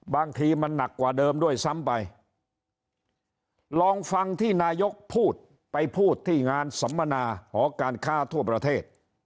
บางทีมันหนักกว่าเดิมด้วยซ้ำไปลองฟังที่นายกพูดไปพูดที่งานสัมมนาหอการค้าทั่วประเทศ